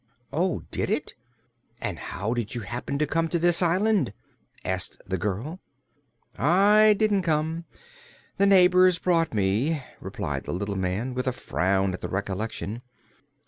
"Oh, did it? And how did you happen to come to this island?" asked the girl. "I didn't come; the neighbors brought me," replied the little man, with a frown at the recollection.